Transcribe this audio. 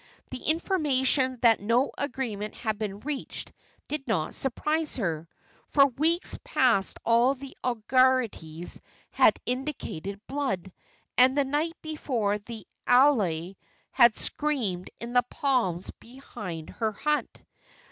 The information that no agreement had been reached did not surprise her. For weeks past all the auguries had indicated blood, and the night before the alae had screamed in the palms behind her hut.